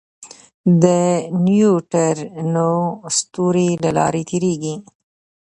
د نیوټرینو ستوري له لارې تېرېږي.